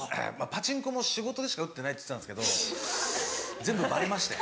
パチンコも仕事でしか打ってないって言ってたんですけど全部バレまして。